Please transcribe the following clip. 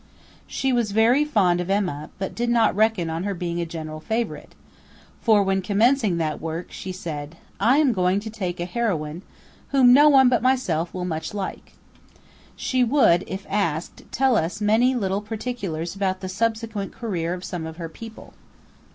She was very fond of Emma, but did not reckon on her being a general favourite; for, when commencing that work, she said, 'I am going to take a heroine whom no one but myself will much like.' She would, if asked, tell us many little particulars about the subsequent career of some of her people.